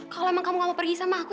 kalau emang kamu gak mau pergi sama aku